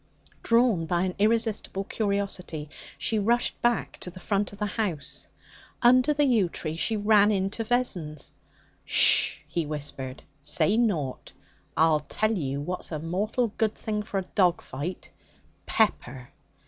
Drawn by an irresistible curiosity, she rushed back to the front of the house. Under the yew tree she ran into Vessons. 'Sh!' he whispered. 'Say nought! I'll tell you what's a mortal good thing for a dog fight pepper!'